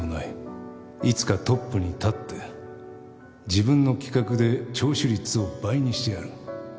いつかトップに立って自分の企画で聴取率を倍にしてやる。